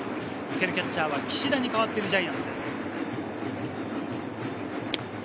受けるキャッチャーは岸田に代わっているジャイアンツです。